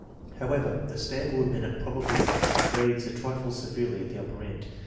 However, the Stanf ord Binet probably grades a trifle severely at "the upper end.